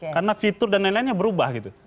karena fitur dan lain lainnya berubah gitu